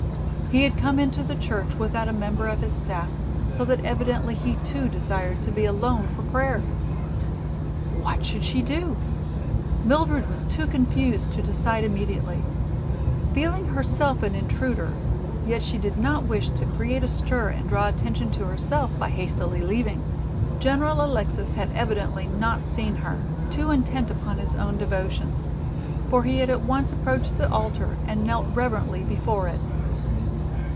He had come into the church without a member of his staff, so that evidently he too desired to be alone for prayer. What should she do? Mildred was too confused to decide immediately. Feeling herself an intruder, yet she did not wish to create a stir and draw attention to herself by hastily leaving. General Alexis had evidently not seen her, too intent upon his own devotions. For he had at once approached the altar and knelt reverently before it.